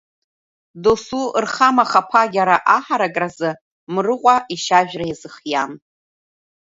Доусы рхамахаԥагьара аҳаракраз, Мрыҟәа ишьажәра иазхиан.